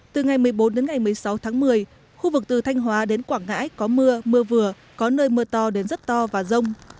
từ ngày một mươi bốn đến ngày một mươi sáu tháng một mươi khu vực từ thanh hóa đến quảng ngãi có mưa mưa vừa có nơi mưa to đến rất to và rông